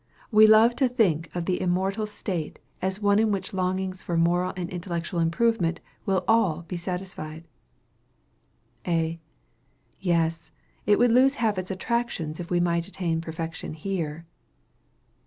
We love to think of the immortal state as one in which longings for moral and intellectual improvement will all be satisfied. A. Yes; it would lose half its attractions if we might attain perfection here.